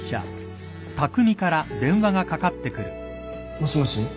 もしもし？